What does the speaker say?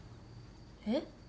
えっ？